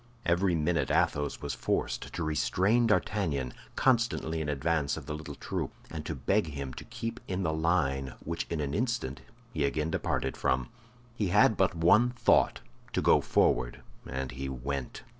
Every minute Athos was forced to restrain D'Artagnan, constantly in advance of the little troop, and to beg him to keep in the line, which in an instant he again departed from. He had but one thought—to go forward; and he went.